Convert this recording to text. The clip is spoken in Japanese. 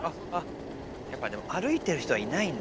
やっぱでも歩いてる人はいないんですね。